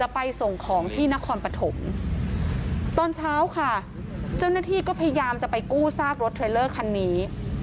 ไปส่งของที่นครปฐมตอนเช้าค่ะเจ้าหน้าที่ก็พยายามจะไปกู้ซากรถเทรลเลอร์คันนี้